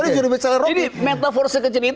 jadi metafor sekecil itu